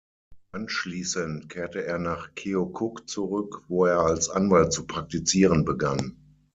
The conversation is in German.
Anschließend kehrte er nach Keokuk zurück, wo er als Anwalt zu praktizieren begann.